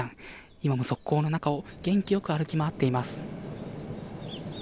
今も側溝の中を元気よく歩き回っています。